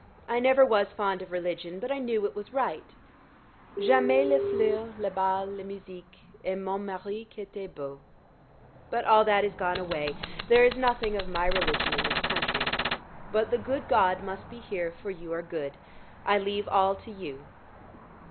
I never was fond of religion, but I knew it was right. J'aimais les fleurs, les bals, la musique, et mon mari qui était beau. But all that is gone away. There is nothing of my religion in this country. But the good God must be here, for you are good; I leave all to you."